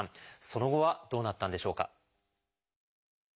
その後はどうなったんでしょうか。